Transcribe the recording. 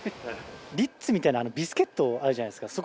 リッツみたいなビスケットあるじゃないですか。